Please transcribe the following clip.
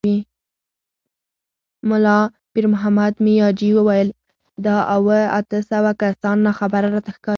ملا پيرمحمد مياجي وويل: دا اووه، اته سوه کسان ناخبره راته ښکاري.